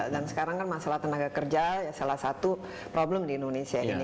dan sekarang kan masalah tenaga kerja salah satu problem di indonesia ini